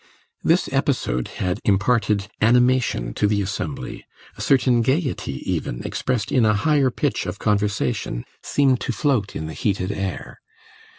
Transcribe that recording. This episode had imparted animation to the assembly; a certain gaiety, even, expressed in a higher pitch of conversation, seemed to float in the heated air.